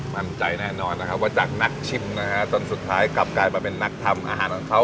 มั่นใจแน่นอนนะครับว่าจากนักชิมนะฮะจนสุดท้ายกลับกลายมาเป็นนักทำอาหารของเขา